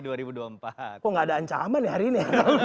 kok gak ada ancaman ya hari ini ya